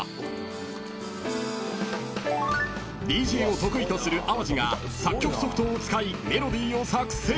［ＤＪを得意とする淡路が作曲ソフトを使いメロディーを作成］